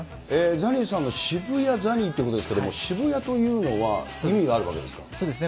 ザニーさんの渋谷ザニーということですけれども、渋谷というのは意味があるわけですか？